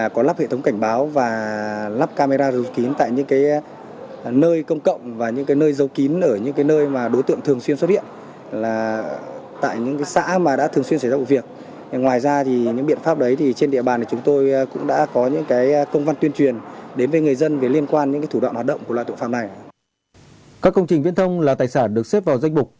các công trình viên thông là tài sản được xếp vào danh bục